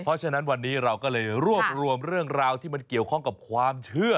เพราะฉะนั้นวันนี้เราก็เลยรวบรวมเรื่องราวที่มันเกี่ยวข้องกับความเชื่อ